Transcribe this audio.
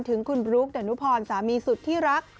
ถึงคุณบลุ๊กดานุพรสามีสุดที่รัก